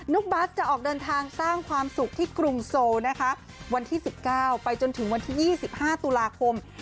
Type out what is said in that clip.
นุกบัสจะออกเดินทางสร้างความสุขในกรุงโซลนะคะวันที่สิบเก้าไปจนถึงวันที่ยี่สิบห้าตุลาคม